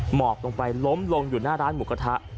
หมอบลงไปล้มลงอยู่หน้าร้านหมูกระทะ